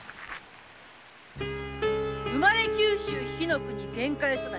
生まれ九州火国玄海育ち。